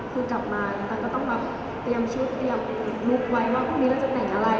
คือกลับมาแล้วแต่ก็ต้องมาเตรียมชุดเตรียมลุคไว้ว่าพรุ่งนี้เราจะแต่งอะไร